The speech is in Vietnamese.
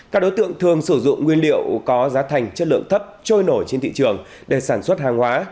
các đối tượng thường sử dụng nguyên liệu có giá thành chất lượng thấp trôi nổi trên thị trường để sản xuất hàng hóa